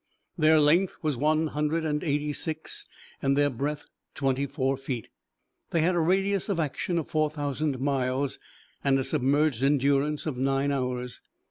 Their length was one hundred and eighty six and their breadth twenty four feet. They had a radius of action of four thousand miles and a submerged endurance of nine hours.